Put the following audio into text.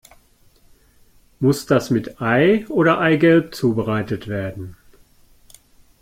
Muss das mit Ei oder Eigelb zubereitet werden?